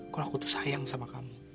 kalau aku tuh sayang sama kamu